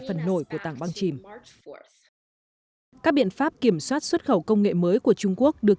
phần nổi của tảng băng chìm các biện pháp kiểm soát xuất khẩu công nghệ mới của trung quốc được